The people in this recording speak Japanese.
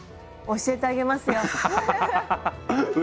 教えてあげますよ。